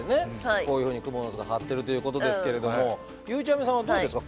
こういうふうにクモの巣が張ってるということですけれどもゆうちゃみさんはどうですか？